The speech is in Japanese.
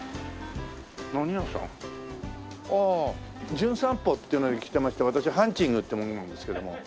『じゅん散歩』っていうので来てまして私ハンチングっていう者なんですけども。